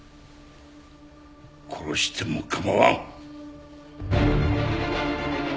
殺しても構わん。